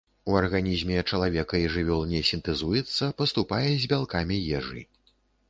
У арганізме чалавека і жывёл не сінтэзуецца, паступае з бялкамі ежы.